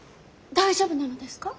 大丈夫なのですか。